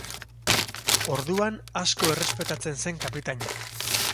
Orduan asko errespetatzen zen kapitaina.